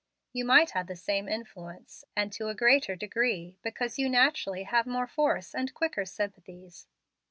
You might have the same influence, and to a greater degree, because you naturally have more force and quicker sympathies.